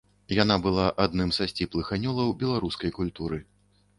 Яна была адным са сціплых анёлаў беларускай культуры.